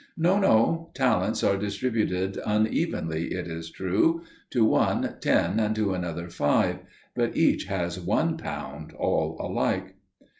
No, no; talents are distributed unevenly, it is true: to one ten and to another five; but each has one pound, all alike."